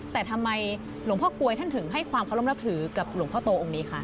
แต่ทำไมหลวงพ่อกลวยท่านถึงให้ความเคารพนับถือกับหลวงพ่อโตองค์นี้คะ